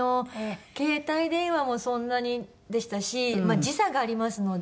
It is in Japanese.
携帯電話もそんなにでしたし時差がありますので。